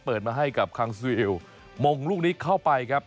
เปิดมาให้กับคังซูเอลมงลูกนี้เข้าไปครับ